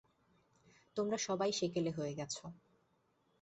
তোমরা সবাই সেকেলে হয়ে গেছ।